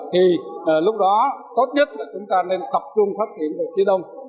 thì lúc đó tốt nhất là chúng ta nên tập trung phát triển về phía đông